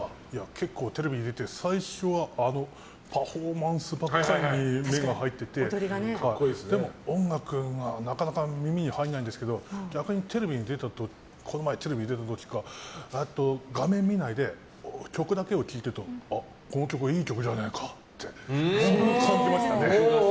結構テレビに出てて最初はパフォーマンスばっかり目が入っててでも、音楽がなかなか耳に入らないんですけど逆にテレビに出た時に画面を見ないで曲だけを聴いてるとあ、この曲いい曲じゃねえかって感じましたね。